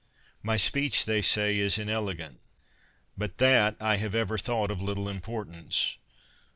My speech, they say, is inelegant; but that I have ever thought of little importance.